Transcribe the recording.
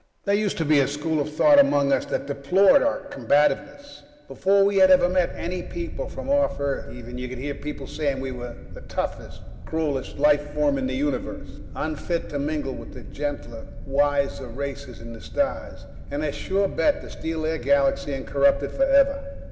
There used to be a school of thought among us that deplored our combativeness; before we had ever met any people from off Earth, even, you could hear people saying we were toughest, cruelest life form in the Universe, unfit to mingle with the gentler wiser races in the stars, and a sure bet to steal their galaxy and corrupt it forever.